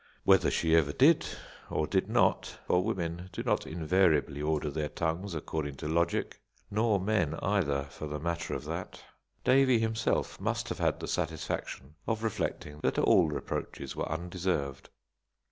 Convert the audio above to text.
Whether she ever did or did not for women do not invariably order their tongues according to logic, nor men either for the matter of that Davie, himself, must have had the satisfaction of reflecting that all reproaches were undeserved.